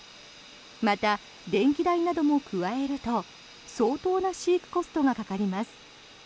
また、電気代なども加えると相当な飼育コストがかかります。